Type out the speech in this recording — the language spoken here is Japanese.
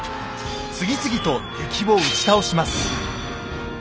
次々と敵を打ち倒します。